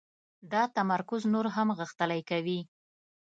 دا تمرکز نور هم غښتلی کوي.